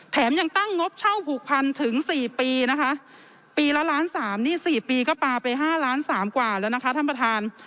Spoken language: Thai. ยังตั้งงบเช่าผูกพันถึง๔ปีนะคะปีละล้าน๓นี่๔ปีก็ปลาไป๕ล้านสามกว่าแล้วนะคะท่านประธาน